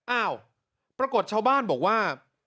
อ้าวปรากฏชาวบ้านบอกว่า